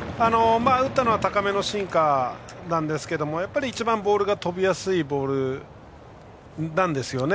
打ったのは高めのシンカーですがやっぱり一番飛びやすいボールなんですよね。